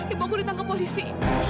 ibu aku ditangkap polisi